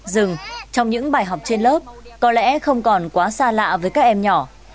rừng trong những bài học trên lớp có lẽ không còn quá xa lạ với các em nhỏ